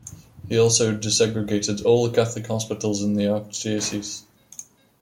He also desegregated all Catholic hospitals in the archdiocese.